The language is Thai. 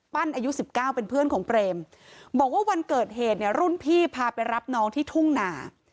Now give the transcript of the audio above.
อายุ๑๙เป็นเพื่อนของเปรมบอกว่าวันเกิดเหตุเนี่ยรุ่นพี่พาไปรับน้องที่ทุ่งนา